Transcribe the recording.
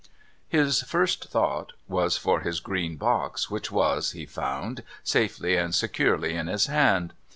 His first thought was for his green box, which was, he found, safely and securely in his hand.